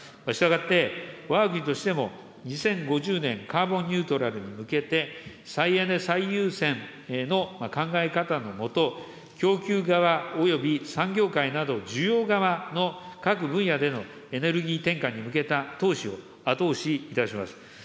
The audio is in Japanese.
したがって、わが国としても、２０５０年カーボンニュートラルに向けて、再エネ最優先の考え方のもと、供給側および産業界など需要側の各分野でのエネルギー転換に向けた投資を後押しいたします。